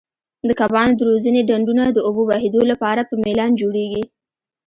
د کبانو د روزنې ډنډونه د اوبو بهېدو لپاره په میلان جوړیږي.